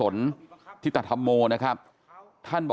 เมื่อยครับเมื่อยครับ